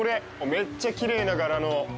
めっちゃきれいな柄の。